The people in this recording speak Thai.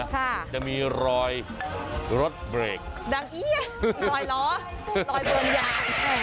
ค่ะจะมีรอยรถเบรกดังอี้รอยเหรอรอยเบื้องหย่างใช่ไหม